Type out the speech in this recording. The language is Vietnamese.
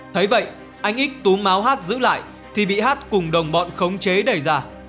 thấy vậy anh x túm máu h giữ lại thì bị h cùng đồng bọn khống chế đẩy ra